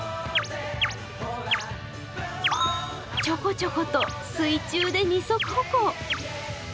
ちょこちょこと水中で２足歩行。